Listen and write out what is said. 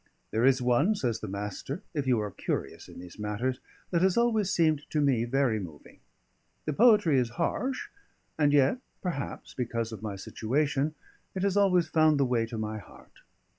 "There is one," says the Master, "if you are curious in these matters, that has always seemed to me very moving. The poetry is harsh: and yet, perhaps because of my situation, it has always found the way to my heart.